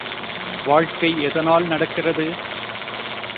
வாழ்க்கை எதனால் நடக்கிறது?